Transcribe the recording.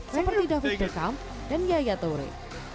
seperti david beckham dan yaya toure